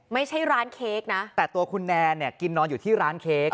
ไม่ใช่ร้านเค้กนะแต่ตัวคุณแนนเนี่ยกินนอนอยู่ที่ร้านเค้ก